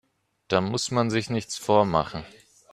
Da muss man sich nichts vormachen.